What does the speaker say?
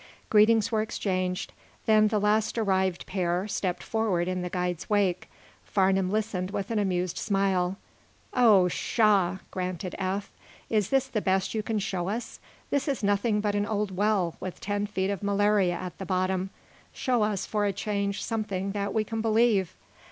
Greetings were exchanged. Then the last arrived pair stepped forward in the guide's wake. Farnum listened with an amused smile. "Oh, pshaw!" grunted Eph. "Is this the best you can show us? This is nothing but an old well, with ten feet of malaria at the bottom. Show us, for a change, something that we can believe."